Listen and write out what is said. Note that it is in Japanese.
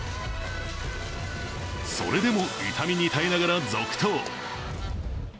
それでも痛みに耐えながら続投。